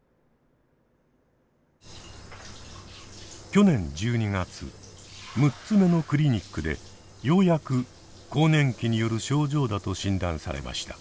去年１２月６つ目のクリニックでようやく更年期による症状だと診断されました。